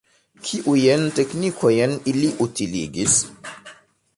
Kiujn teknikojn ili utiligis?